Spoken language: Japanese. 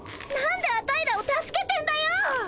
なんでアタイらを助けてんだよ！